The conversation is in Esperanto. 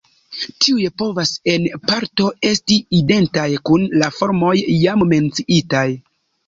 Tiuj povas en parto esti identaj kun la formoj jam menciitaj.